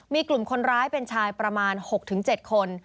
มีกลุ่มคนร้ายเป็นชายประมาณ๖๗คน